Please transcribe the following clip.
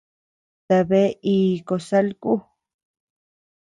¿Tabea iì costal ku?